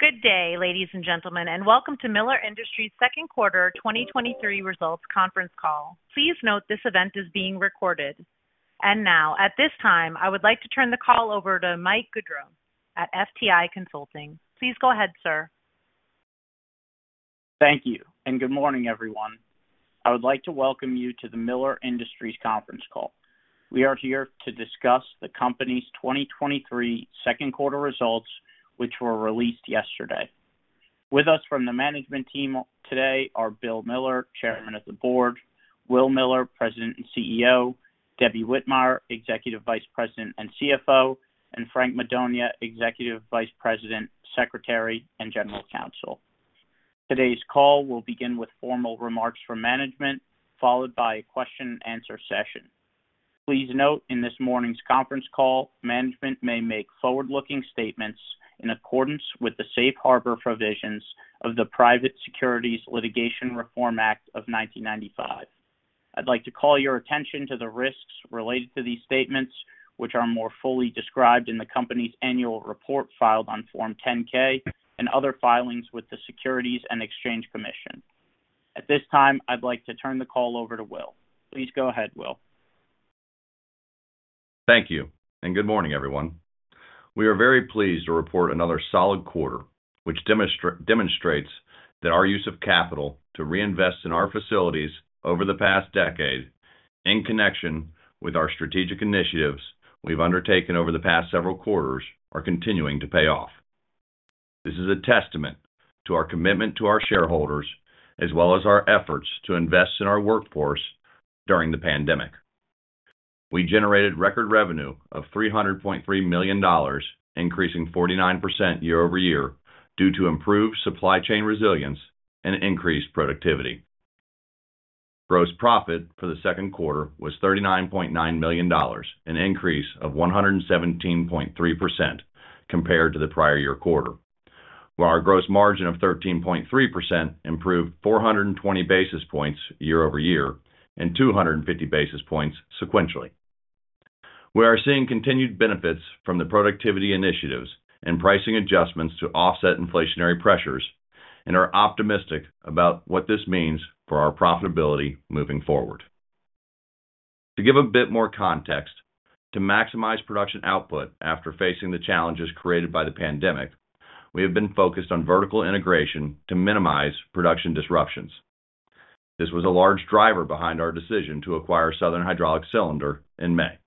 Good day, ladies and gentlemen, welcome to Miller Industries' second quarter 2023 results conference call. Please note, this event is being recorded. Now, at this time, I would like to turn the call over to Mike Gaudreau at FTI Consulting. Please go ahead, sir. Thank you. Good morning, everyone. I would like to welcome you to the Miller Industries conference call. We are here to discuss the company's 2023 second quarter results, which were released yesterday. With us from the management team today are Bill Miller, Chairman of the Board; Will Miller, President and CEO; Deborah Whitmire, Executive Vice President and CFO; and Frank Madonia, Executive Vice President, Secretary, and General Counsel. Today's call will begin with formal remarks from management, followed by a question-and-answer session. Please note, in this morning's conference call, management may make forward-looking statements in accordance with the safe harbor provisions of the Private Securities Litigation Reform Act of 1995. I'd like to call your attention to the risks related to these statements, which are more fully described in the company's annual report filed on Form 10-K and other filings with the Securities and Exchange Commission. At this time, I'd like to turn the call over to Will. Please go ahead, Will. Thank you. Good morning, everyone. We are very pleased to report another solid quarter, which demonstrates that our use of capital to reinvest in our facilities over the past decade, in connection with our strategic initiatives we've undertaken over the past several quarters, are continuing to pay off. This is a testament to our commitment to our shareholders, as well as our efforts to invest in our workforce during the pandemic. We generated record revenue of $300.3 million, increasing 49% year-over-year, due to improved supply chain resilience and increased productivity. Gross profit for the second quarter was $39.9 million, an increase of 117.3% compared to the prior year quarter, while our gross margin of 13.3% improved 420 basis points year-over-year and 250 basis points sequentially. We are seeing continued benefits from the productivity initiatives and pricing adjustments to offset inflationary pressures and are optimistic about what this means for our profitability moving forward. To give a bit more context, to maximize production output after facing the challenges created by the pandemic, we have been focused on vertical integration to minimize production disruptions. This was a large driver behind our decision to acquire Southern Hydraulic Cylinder in May.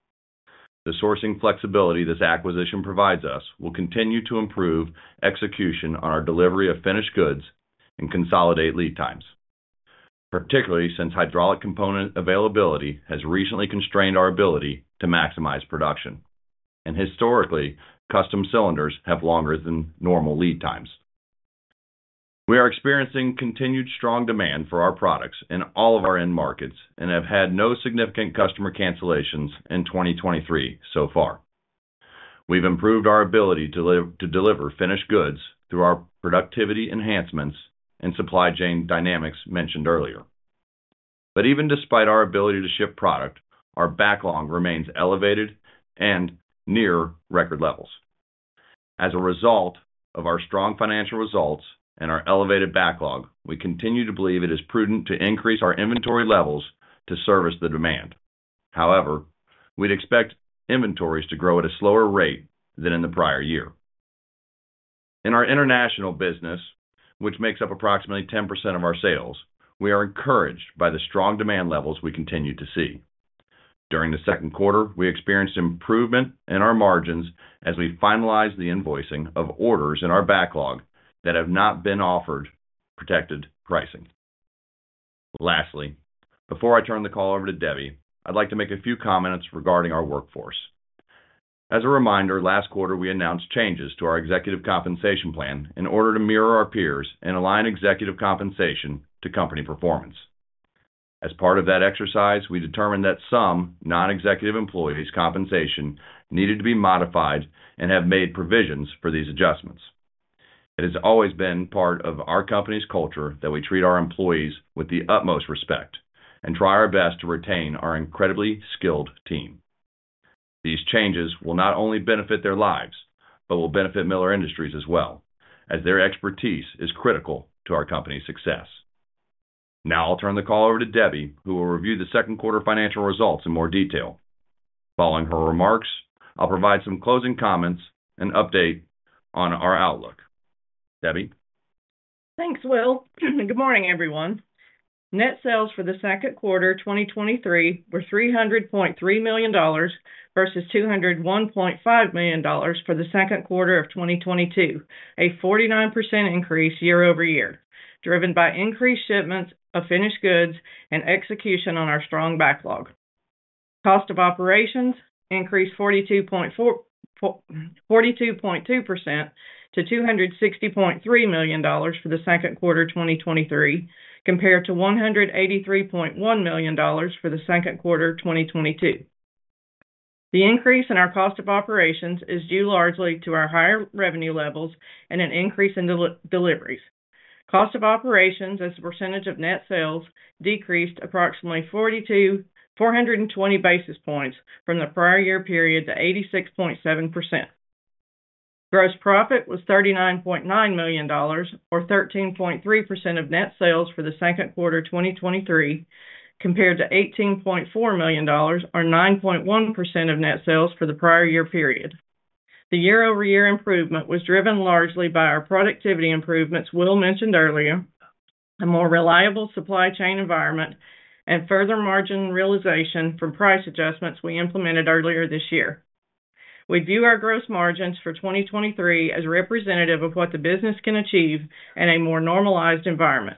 The sourcing flexibility this acquisition provides us will continue to improve execution on our delivery of finished goods and consolidate lead times, particularly since hydraulic component availability has recently constrained our ability to maximize production. Historically, custom cylinders have longer than normal lead times. We are experiencing continued strong demand for our products in all of our end markets and have had no significant customer cancellations in 2023 so far. We've improved our ability to deliver finished goods through our productivity enhancements and supply chain dynamics mentioned earlier. Even despite our ability to ship product, our backlog remains elevated and near record levels. As a result of our strong financial results and our elevated backlog, we continue to believe it is prudent to increase our inventory levels to service the demand. However, we'd expect inventories to grow at a slower rate than in the prior year. In our international business, which makes up approximately 10% of our sales, we are encouraged by the strong demand levels we continue to see. During the second quarter, we experienced improvement in our margins as we finalized the invoicing of orders in our backlog that have not been offered protected pricing. Lastly, before I turn the call over to Debbie, I'd like to make a few comments regarding our workforce. As a reminder, last quarter, we announced changes to our executive compensation plan in order to mirror our peers and align executive compensation to company performance. As part of that exercise, we determined that some non-executive employees' compensation needed to be modified and have made provisions for these adjustments. It has always been part of our company's culture that we treat our employees with the utmost respect and try our best to retain our incredibly skilled team. These changes will not only benefit their lives, but will benefit Miller Industries as well, as their expertise is critical to our company's success. Now I'll turn the call over to Debbie, who will review the second quarter financial results in more detail. Following her remarks, I'll provide some closing comments and update on our outlook. Debbie? Thanks, Will. Good morning, everyone. Net sales for the second quarter 2023 were $300.3 million versus $201.5 million for the second quarter of 2022, a 49% increase year-over-year, driven by increased shipments of finished goods and execution on our strong backlog. Cost of operations increased 42.2% to $260.3 million for the second quarter 2023, compared to $183.1 million for the second quarter 2022. The increase in our cost of operations is due largely to our higher revenue levels and an increase in deliveries. Cost of operations as a percentage of net sales decreased approximately 420 basis points from the prior year period to 86.7%. Gross profit was $39.9 million, or 13.3% of net sales for the second quarter 2023, compared to $18.4 million, or 9.1% of net sales for the prior year period. The year-over-year improvement was driven largely by our productivity improvements Will mentioned earlier, a more reliable supply chain environment, and further margin realization from price adjustments we implemented earlier this year. We view our gross margins for 2023 as representative of what the business can achieve in a more normalized environment.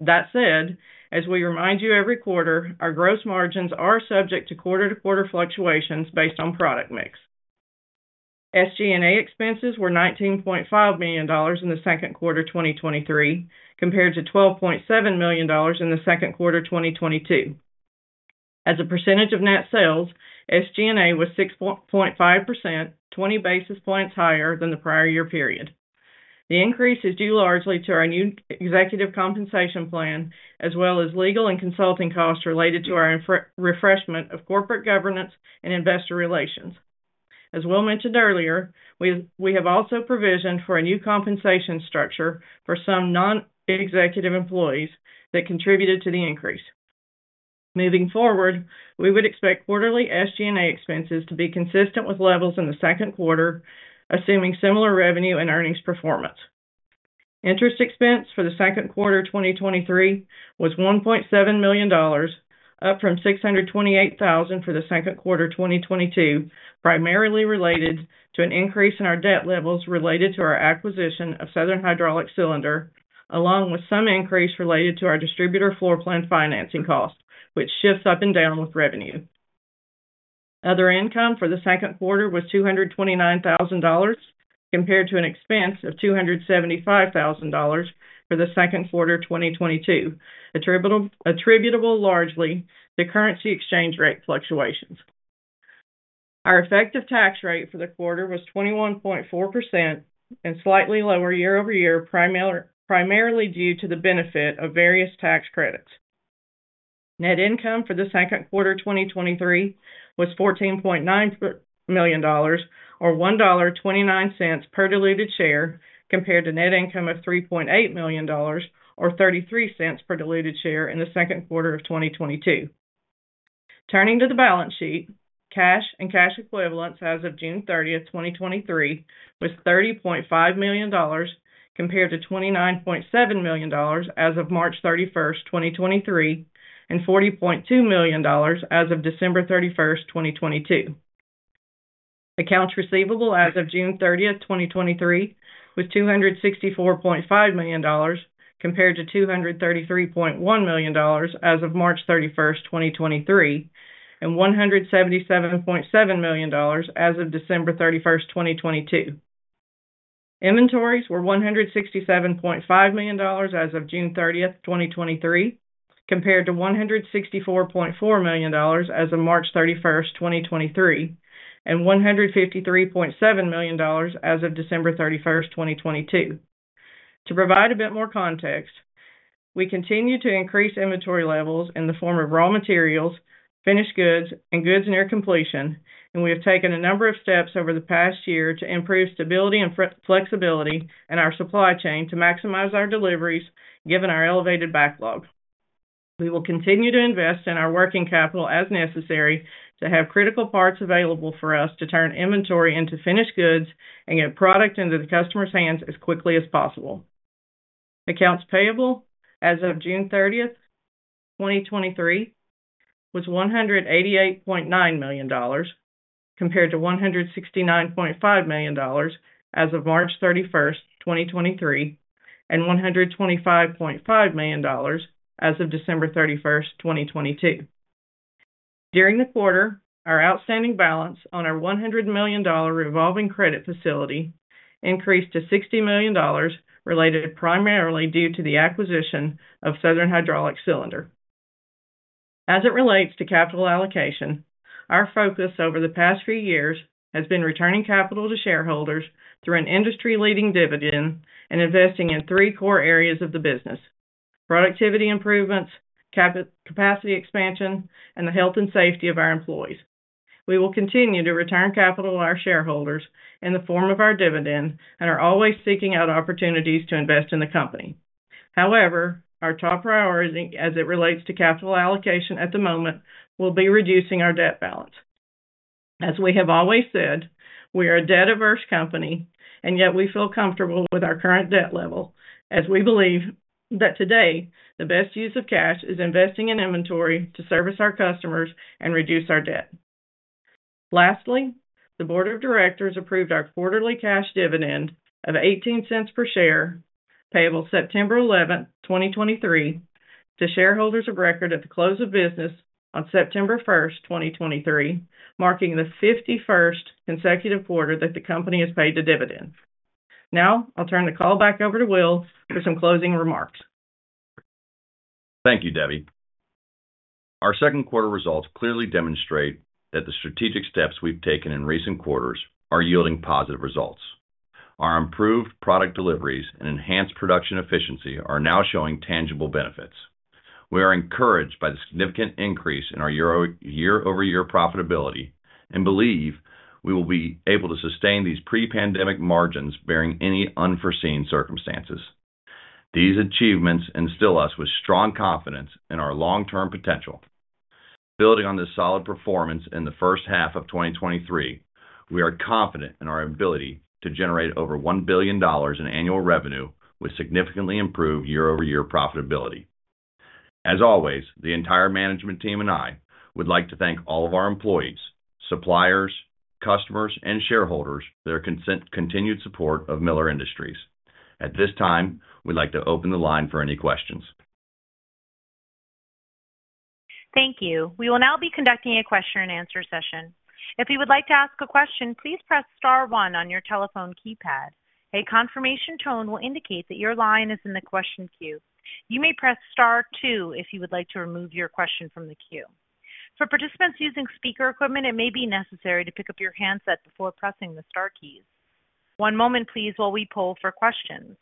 That said, as we remind you every quarter, our gross margins are subject to quarter-to-quarter fluctuations based on product mix. SG&A expenses were $19.5 million in the second quarter 2023, compared to $12.7 million in the second quarter 2022. As a percentage of net sales, SG&A was 6.5%, 20 basis points higher than the prior year period. The increase is due largely to our new executive compensation plan, as well as legal and consulting costs related to our refreshment of corporate governance and investor relations. As Will mentioned earlier, we, we have also provisioned for a new compensation structure for some non-executive employees that contributed to the increase. Moving forward, we would expect quarterly SG&A expenses to be consistent with levels in the second quarter, assuming similar revenue and earnings performance. Interest expense for the second quarter 2023 was $1.7 million, up from $628,000 for the second quarter 2022, primarily related to an increase in our debt levels related to our acquisition of Southern Hydraulic Cylinder, along with some increase related to our distributor floor plan financing cost, which shifts up and down with revenue. Other income for the second quarter was $229,000, compared to an expense of $275,000 for the second quarter 2022, attributable, attributable largely to currency exchange rate fluctuations. Our effective tax rate for the quarter was 21.4% and slightly lower year-over-year, primarily, primarily due to the benefit of various tax credits. Net income for the second quarter 2023 was $14.9 million, or $1.29 per diluted share, compared to net income of $3.8 million, or $0.33 per diluted share in the second quarter of 2022. Turning to the balance sheet, cash and cash equivalents as of June 30th, 2023, was $30.5 million, compared to $29.7 million as of March 31st, 2023, and $40.2 million as of December 31st, 2022. Accounts receivable as of June 30th, 2023, was $264.5 million, compared to $233.1 million as of March 31st, 2023, and $177.7 million as of December 31st, 2022. Inventories were $167.5 million as of June 30th, 2023, compared to $164.4 million as of March 31st, 2023, and $153.7 million as of December 31st, 2022. To provide a bit more context, we continue to increase inventory levels in the form of raw materials, finished goods, and goods near completion. We have taken a number of steps over the past year to improve stability and flexibility in our supply chain to maximize our deliveries, given our elevated backlog. We will continue to invest in our working capital as necessary to have critical parts available for us to turn inventory into finished goods and get product into the customer's hands as quickly as possible. Accounts payable as of June 30th, 2023, was $188.9 million, compared to $169.5 million as of March 31st, 2023, and $125.5 million as of December 31st, 2022. During the quarter, our outstanding balance on our $100 million revolving credit facility increased to $60 million, related primarily due to the acquisition of Southern Hydraulic Cylinder. As it relates to capital allocation, our focus over the past few years has been returning capital to shareholders through an industry-leading dividend and investing in three core areas of the business: productivity improvements, capacity expansion, and the health and safety of our employees. We will continue to return capital to our shareholders in the form of our dividend and are always seeking out opportunities to invest in the company. However, our top priority as it relates to capital allocation at the moment, will be reducing our debt balance. As we have always said, we are a debt-averse company, and yet we feel comfortable with our current debt level, as we believe that today, the best use of cash is investing in inventory to service our customers and reduce our debt. Lastly, the board of directors approved our quarterly cash dividend of $0.18 per share, payable September eleventh, 2023, to shareholders of record at the close of business on September first, 2023, marking the 51st consecutive quarter that the company has paid a dividend. Now, I'll turn the call back over to Will for some closing remarks. Thank you, Debbie. Our second quarter results clearly demonstrate that the strategic steps we've taken in recent quarters are yielding positive results. Our improved product deliveries and enhanced production efficiency are now showing tangible benefits. We are encouraged by the significant increase in our year-over-year profitability and believe we will be able to sustain these pre-pandemic margins, barring any unforeseen circumstances. These achievements instill us with strong confidence in our long-term potential. Building on this solid performance in the first half of 2023, we are confident in our ability to generate over $1 billion in annual revenue, with significantly improved year-over-year profitability. As always, the entire management team and I would like to thank all of our employees, suppliers, customers, and shareholders for their continued support of Miller Industries. At this time, we'd like to open the line for any questions. Thank you. We will now be conducting a question-and-answer session. If you would like to ask a question, please press star one on your telephone keypad. A confirmation tone will indicate that your line is in the question queue. You may press star two if you would like to remove your question from the queue. For participants using speaker equipment, it may be necessary to pick up your handset before pressing the star keys. One moment, please, while we poll for questions.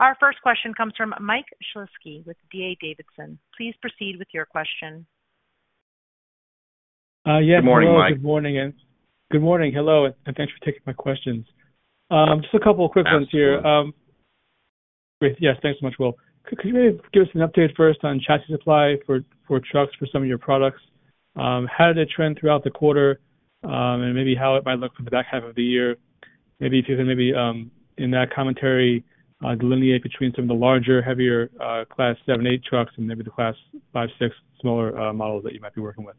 Our first question comes from Michael Shlisky with D.A. Davidson. Please proceed with your question. Yeah. Good morning, Mike. Good morning. Good morning. Hello. Thanks for taking my questions. Just a couple of quick ones here. Absolutely. Great. Yes, thanks so much, Will. Could you give us an update first on chassis supply for trucks, for some of your products? How did it trend throughout the quarter? Maybe how it might look for the back half of the year? Maybe if you can maybe in that commentary, delineate between some of the larger, heavier, Class seven, eight trucks and maybe the Class five, six smaller models that you might be working with.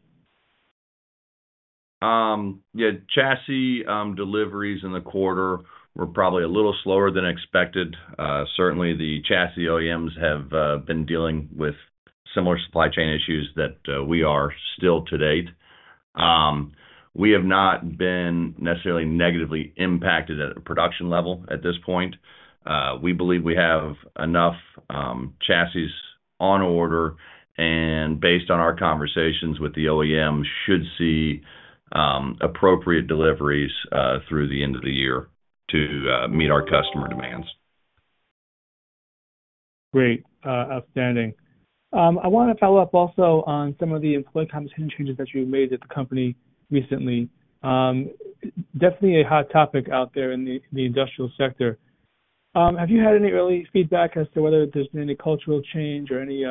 Yeah, chassis deliveries in the quarter were probably a little slower than expected. Certainly, the chassis OEMs have been dealing with similar supply chain issues that we are still to date. We have not been necessarily negatively impacted at a production level at this point. We believe we have enough chassis on order, and based on our conversations with the OEM, should see appropriate deliveries through the end of the year to meet our customer demands. Great. Outstanding. I wanna follow up also on some of the employee compensation changes that you made at the company recently. Definitely a hot topic out there in the, the industrial sector. Have you had any early feedback as to whether there's been any cultural change or any,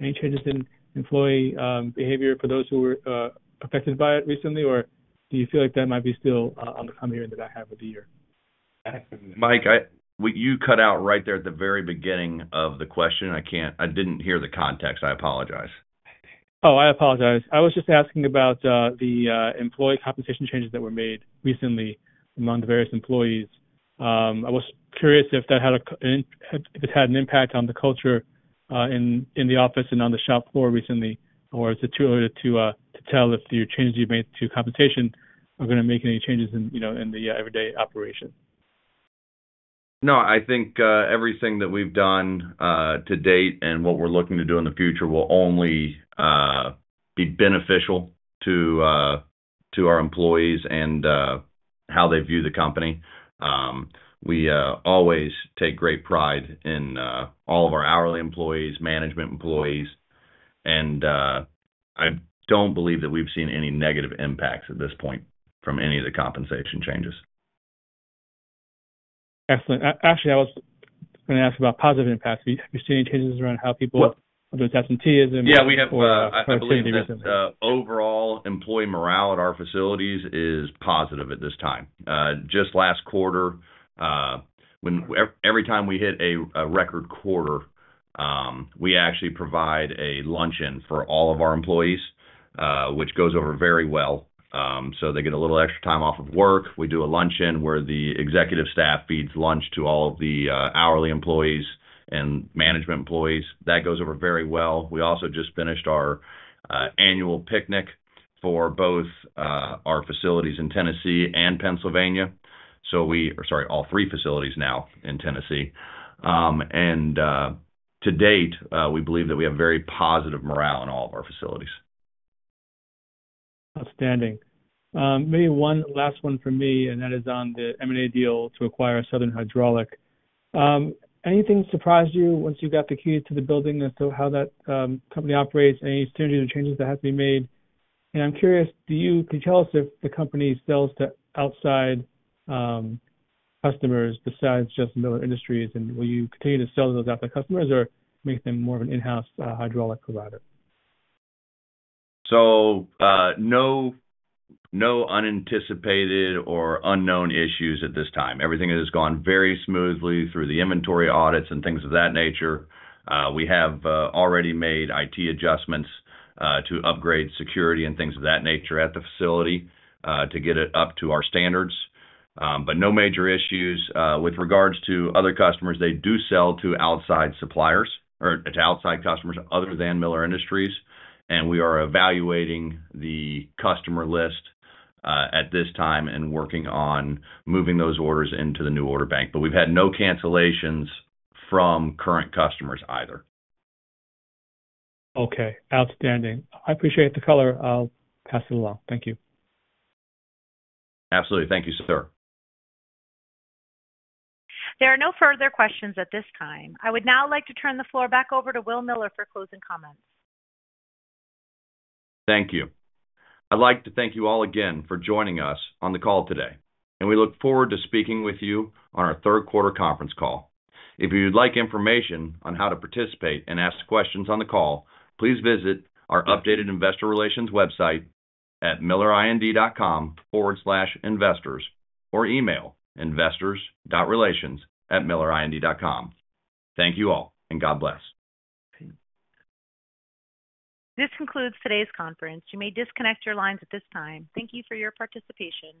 any changes in employee, behavior for those who were, affected by it recently? Or do you feel like that might be still, on the coming year, in the back half of the year? Mike, you cut out right there at the very beginning of the question. I didn't hear the context. I apologize. Oh, I apologize. I was just asking about the employee compensation changes that were made recently among the various employees. I was curious if that had an impact on the culture, in, in the office and on the shop floor recently. Is it too early to tell if the changes you've made to compensation are gonna make any changes in, you know, in the everyday operation? No, I think everything that we've done to date and what we're looking to do in the future will only be beneficial to our employees and how they view the company. We always take great pride in all of our hourly employees, management employees, and I don't believe that we've seen any negative impacts at this point from any of the compensation changes. Excellent. Actually, I was gonna ask about positive impacts. Have you, have you seen any changes around how people- Well are doing absenteeism? Yeah, we have. I believe that overall employee morale at our facilities is positive at this time. Just last quarter, when every time we hit a, a record quarter, we actually provide a luncheon for all of our employees, which goes over very well. They get a little extra time off of work. We do a luncheon where the executive staff feeds lunch to all of the hourly employees and management employees. That goes over very well. We also just finished our annual picnic for both our facilities in Tennessee and Pennsylvania. We... I'm sorry, all three facilities now in Tennessee. To date, we believe that we have very positive morale in all of our facilities. Outstanding. Maybe one last one from me, and that is on the M&A deal to acquire Southern Hydraulic. Anything surprise you once you got the key to the building as to how that company operates? Any significant changes that have been made? I'm curious, can you tell us if the company sells to outside customers besides just Miller Industries? Will you continue to sell to those outside customers or make them more of an in-house hydraulic provider? No, no unanticipated or unknown issues at this time. Everything has gone very smoothly through the inventory audits and things of that nature. We have already made IT adjustments to upgrade security and things of that nature at the facility to get it up to our standards. No major issues. With regards to other customers, they do sell to outside suppliers or to outside customers other than Miller Industries, and we are evaluating the customer list at this time and working on moving those orders into the new order bank. We've had no cancellations from current customers either. Okay, outstanding. I appreciate the color. I'll pass it along. Thank you. Absolutely. Thank you, sir. There are no further questions at this time. I would now like to turn the floor back over to Will Miller for closing comments. Thank you. I'd like to thank you all again for joining us on the call today, and we look forward to speaking with you on our third quarter conference call. If you'd like information on how to participate and ask questions on the call, please visit our updated investor relations website at millerind.com/investors or email Investor.Relations@millerind.com. Thank you all, and God bless. This concludes today's conference. You may disconnect your lines at this time. Thank you for your participation.